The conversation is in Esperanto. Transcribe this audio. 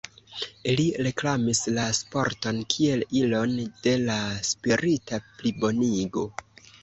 Li reklamis la sporton kiel ilon de la spirita plibonigo.